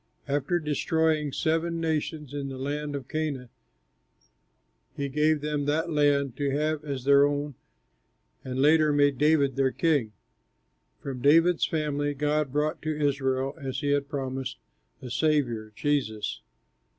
After destroying seven nations in the land of Canaan, he gave them that land to have as their own and later made David their king. From David's family God brought to Israel, as he had promised, a Saviour, Jesus.